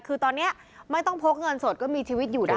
คือตอนนี้ไม่ต้องพกเงินสดก็มีชีวิตอยู่ได้